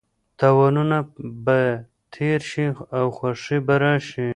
تاوانونه به تېر شي او خوښي به راشي.